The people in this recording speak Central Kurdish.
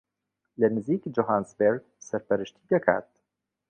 لە نزیک جۆهانسبێرگ سەرپەرشتی دەکات